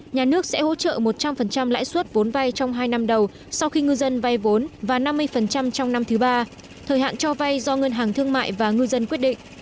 nhà nước sẽ hỗ trợ một trăm linh lãi suất vốn vay trong hai năm đầu sau khi ngư dân vay vốn và năm mươi trong năm thứ ba thời hạn cho vay do ngân hàng thương mại và ngư dân quyết định